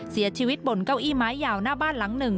เสียชีวิตบนเก้าอี้ไม้ยาวหน้าบ้านหลังหนึ่ง